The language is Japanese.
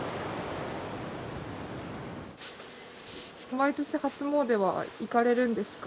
毎年初詣は行かれるんですか？